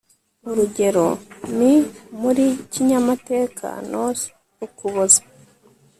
urugero ni muri kinyamateka nos ukuboza